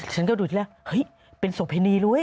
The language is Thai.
ฉันก็ดูที่แรกเฮ้ยเป็นโสเพณีรวย